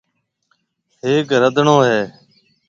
ھيَََڪ رڌڻو ھيَََ